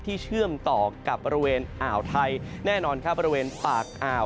เชื่อมต่อกับบริเวณอ่าวไทยแน่นอนครับบริเวณปากอ่าว